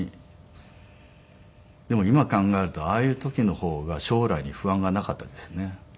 でも今考えるとああいう時の方が将来に不安がなかったですね。